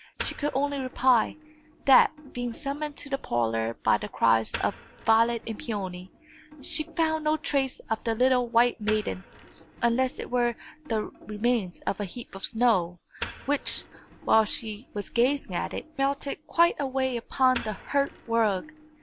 She could only reply, that, being summoned to the parlour by the cries of Violet and Peony, she found no trace of the little white maiden, unless it were the remains of a heap of snow, which, while she was gazing at it, melted quite away upon the hearth rug.